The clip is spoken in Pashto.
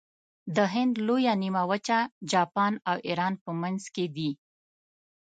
د هند لویه نیمه وچه، جاپان او ایران په ختیځ کې دي.